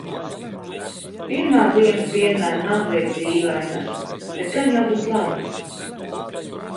Pirmās dienas vienmēr mazliet dīvainas, bet gan jau būs labi.